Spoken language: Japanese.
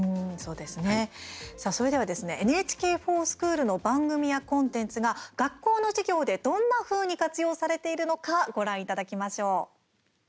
それでは「ＮＨＫｆｏｒＳｃｈｏｏｌ」の番組やコンテンツが学校の授業で、どんなふうに活用されているのかご覧いただきましょう。